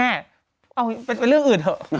เอาเป็นเรื่องอื่นเถอะ